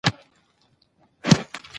دی د حقایقو په بیان کې هیڅ مصلحت نه مني.